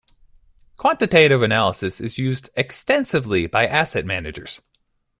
Quantitative analysis is used extensively by asset managers.